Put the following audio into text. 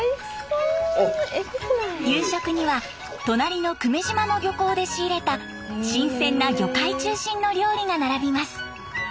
夕食には隣の久米島の漁港で仕入れた新鮮な魚介中心の料理が並びます。